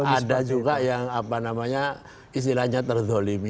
ada juga yang apa namanya istilahnya terzolimi